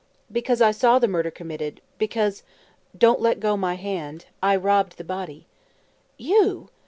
"Because I saw the murder committed, because don't let go my hand I robbed the body." "You!